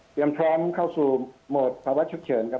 เตรียมพร้อมเข้าสู่โหมดภาวะชุดเฉินครับ